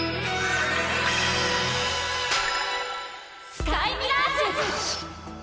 スカイミラージュ！